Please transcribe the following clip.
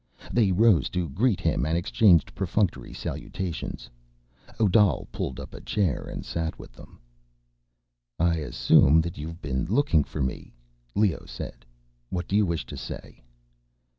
They rose to greet him and exchanged perfunctory salutations. Odal pulled up a chair and sat with them. "I assume that you've been looking for me," Leoh said. "What do you wish to say?"